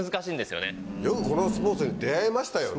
よくこのスポーツに出合えましたよね。